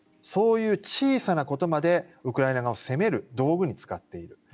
そういう小さなことまでウクライナ側を責める道具に使っている。